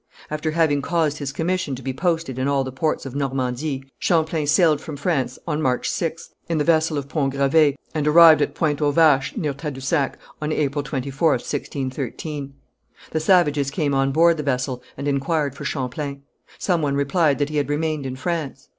After having caused his commission to be posted in all the ports of Normandy, Champlain sailed from France on March 6th, in the vessel of Pont Gravé, and arrived at Pointe aux Vaches, near Tadousac, on April 24th, 1613. The savages came on board the vessel and inquired for Champlain. Some one replied that he had remained in France.